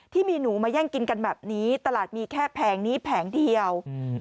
ที่มีหนูมาแย่งกินกันแบบนี้ตลาดมีแค่แผงนี้แผงเดียวอืม